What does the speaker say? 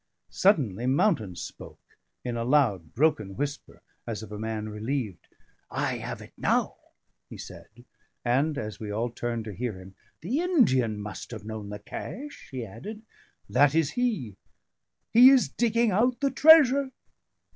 Suddenly Mountain spoke in a loud, broken whisper, as of a man relieved. "I have it now," he said; and, as we all turned to hear him, "the Indian must have known the cache," he added. "That is he he is digging out the treasure."